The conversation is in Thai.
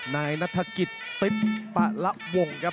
ในนัฐกิจติ๊บประลักษณ์วงครับ